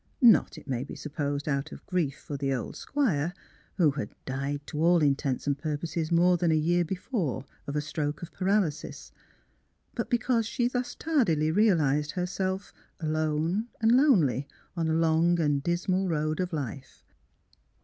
Not, it may be supposed, out of grief for the old Squire, who had died to all intents and pur poses more than a year before of a stroke of paralysis; but because she thus tardily realized herself alone and lonely on a long and dismal road of life.